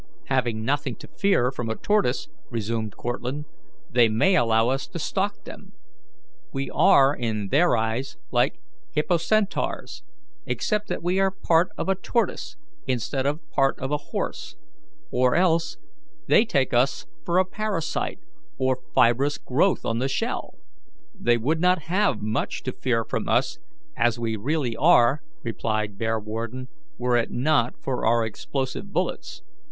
"Having nothing to fear from a tortoise," resumed Cortlandt, "they may allow us to stalk them. We are in their eyes like hippocentaurs, except that we are part of a tortoise instead of part of a horse, or else they take us for a parasite or fibrous growth on the shell." "They would not have much to fear from us as we really are," replied Bearwarden, "were it not for our explosive bullets."